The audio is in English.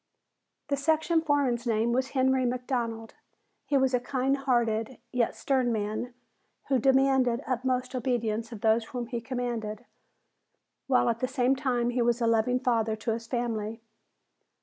The section foreman's name was Henry McDonald. He was a kind hearted, yet stern man who demanded utmost obedience of those whom he commanded, while at the same time he was a loving father to his family.